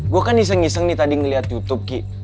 gue kan iseng iseng nih tadi ngeliat youtube ki